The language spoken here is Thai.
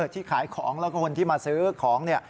ที่ขายของแล้วก็คนที่มาซื้อของเนี่ย